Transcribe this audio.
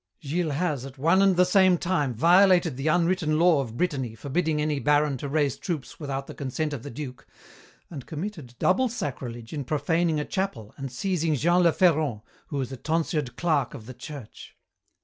"Gilles has, at one and the same time, violated the unwritten law of Brittany forbidding any baron to raise troops without the consent of the duke, and committed double sacrilege in profaning a chapel and seizing Jean le Ferron, who is a tonsured clerk of the Church.